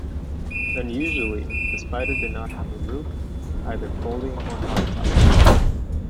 Unusually, the Spider did not have a roof, either folding or hard-top.